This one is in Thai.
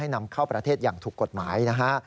นำเข้าประเทศอย่างถูกกฎหมายนะฮะ